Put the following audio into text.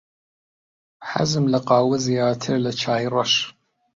حەزم لە قاوە زیاترە لە چای ڕەش.